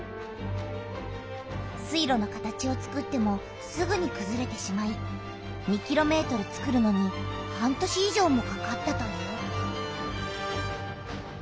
水路の形をつくってもすぐにくずれてしまい２ｋｍつくるのに半年い上もかかったという。